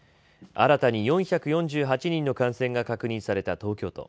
新たに４４８人の感染が確認された東京都。